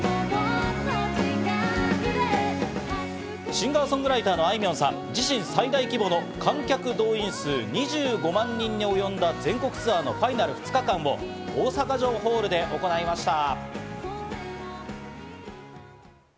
シンガー・ソングライターのあいみょんさん、自身最大規模の観客動員数２５万人におよんだ全国ツアーのファイナル２日間を大阪城ホールで行いました。